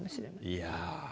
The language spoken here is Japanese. いや。